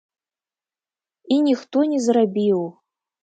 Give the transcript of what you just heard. І ніхто не зрабіў.